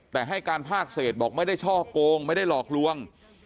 แต่ให้การภาคเศษบอกไม่ได้ช่อโกงไม่ได้หลอกลวง